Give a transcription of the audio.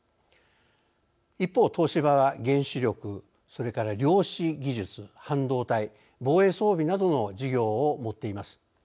一方、東芝は原子力、それから量子技術・半導体・防衛装備などの事業を持っています。